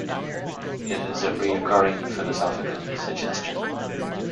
It is a recurring philosophical suggestion.